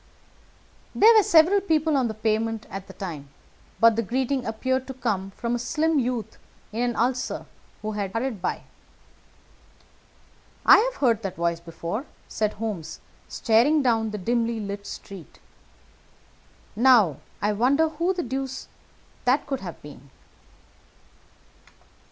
There were several people on the pavement at the time, but the greeting appeared to come from a slim youth in an ulster who had hurried by. "I've heard that voice before," said Holmes staring down the dimly lighted street. "Now, I wonder who the deuce that could have been?"